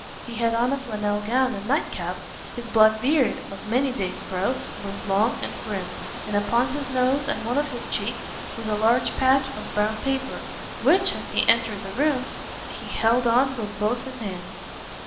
He had on a flannel gown and night cap; his black beard, of many days' growth, was long and grim, and upon his nose and one of his cheeks was a large patch of brown paper, which, as he entered the room, he held on with both his hands.